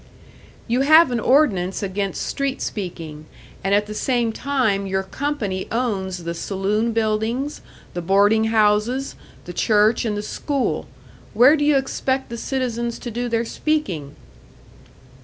"You have an ordinance against street speaking; and at the same time your company owns the saloon buildings, the boarding houses, the church and the school. Where do you expect the citizens to do their speaking?"